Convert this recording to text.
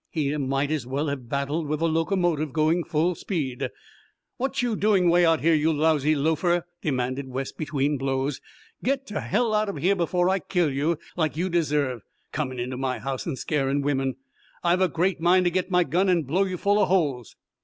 He might as well have battled with a locomotive going full speed. "What you doin' way up here, you lousy loafer?" demanded Wes between blows. "Get to hell out of here before I kill you, like you deserve, comin' into my house and scarin' women. I've a great mind to get my gun and blow you full of holes."